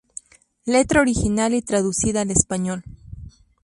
Letra original y traducida al español